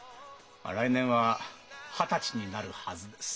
来年は二十歳になるはずです。